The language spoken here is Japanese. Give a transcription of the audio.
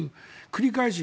繰り返し。